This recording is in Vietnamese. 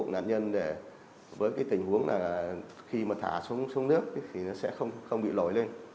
đối tượng thực hiện hành vi là mổ bụng nạn nhân với tình huống là khi mà thả xuống nước thì nó sẽ không bị lòi lên